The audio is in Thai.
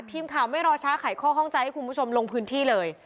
ทีมข่าวไม่รอช้าไขข้อข้องใจให้คุณผู้ชมลงพื้นที่เลย